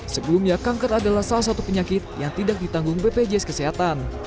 sebelumnya kanker adalah salah satu penyakit yang tidak ditanggung bpjs kesehatan